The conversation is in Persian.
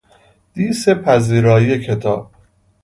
دیسپردازی کتاب